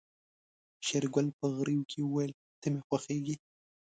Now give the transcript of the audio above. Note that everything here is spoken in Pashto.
شېرګل په غريو کې وويل ته مې خوښيږې.